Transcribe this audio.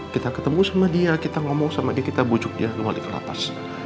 kita ketemu sama dia kita ngomong sama dia kita bujuk dia nulis kelapas